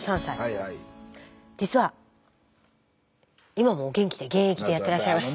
今もお元気で現役でやってらっしゃいます。